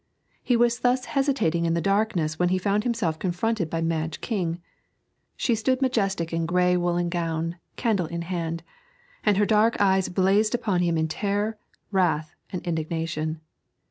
He was thus hesitating in the darkness when he found himself confronted by Madge King. She stood majestic in grey woollen gown, candle in hand, and her dark eyes blazed upon him in terror, wrath and indignation.